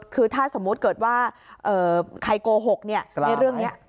คือถ้าสมมุติเกิดว่าใครโกหกในเรื่องนี้